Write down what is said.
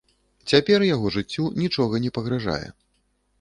Цяпер яго жыццю нічога не пагражае.